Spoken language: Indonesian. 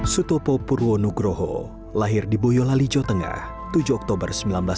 sutopo purwonugroho lahir di boyolali jawa tengah tujuh oktober seribu sembilan ratus enam puluh